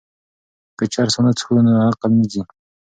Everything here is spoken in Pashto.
که چرس ونه څښو نو عقل نه ځي.